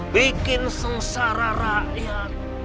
bikin sengsara rakyat